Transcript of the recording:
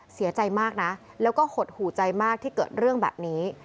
เสียใจมากนะแล้วก็หดหูใจมากที่เกิดเรื่องแบบนี้